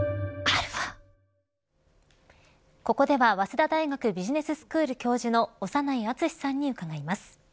ここでは早稲田大学ビジネススクール教授の長内厚さんに伺います。